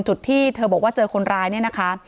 ที่เธอบอกว่าเจอคนร้ายเนี่ยนะคะ